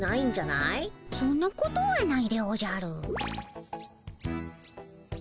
そんなことはないでおじゃる。